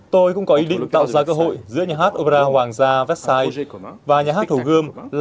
tôi cũng có ý định tạo ra cơ hội giữa nhà hát opera hoàng gia vecsai và nhà hát hồ gươm là một dự án chung